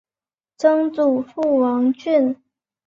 曾祖父王俊。